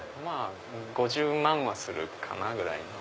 ５０万はするかなぐらいの。